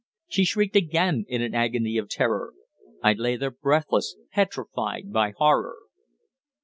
She shrieked again, in an agony of terror. I lay there breathless, petrified by horror.